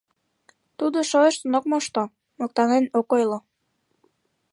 Тудо шойыштын ок мошто, моктанен ок ойло.